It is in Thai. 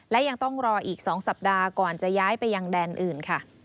และยังต้องรออีก๒สัปดาห์ก่อนจะย้ายไปยังแดนอื่นค่ะ